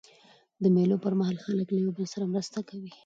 د مېلو پر مهال خلک له یو بل سره مرسته کوي.